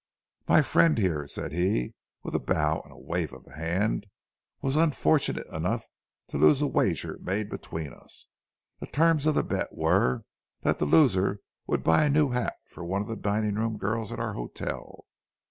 "'My friend here,' said he, with a bow and a wave of the hand, 'was unfortunate enough to lose a wager made between us. The terms of the bet were that the loser was to buy a new hat for one of the dining room girls at our hotel.